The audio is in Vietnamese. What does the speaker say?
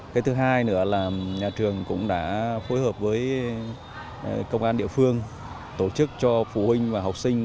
cái thứ hai nữa là nhà trường cũng đã phối hợp với công an địa phương tổ chức cho phụ huynh và học sinh